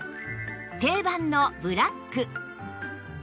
定番のブラック